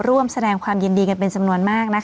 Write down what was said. ร่วมแสดงความยินดีกันเป็นจำนวนมาก